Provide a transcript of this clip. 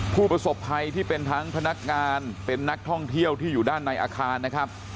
ผู้ประสบภัยที่เป็นทั้งพนักงานเป็นนักท่องเที่ยวที่อยู่ด้านในอาคารนะครับ